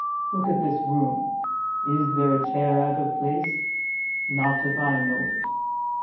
Look at this room—is there a chair out of place? Not if I know it!